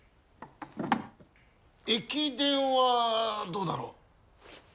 駅伝はどうだろう？